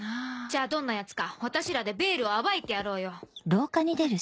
じゃあどんな奴か私らでベールを暴いてやろうよ。